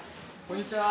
こんにちは。